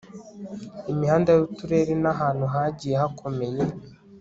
imihanda y Uturere n ahantu hagiye hakomeye